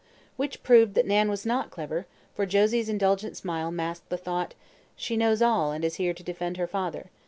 Which proved that Nan was not clever, for Josie's indulgent smile masked the thought: "She knows all and is here to defend her father.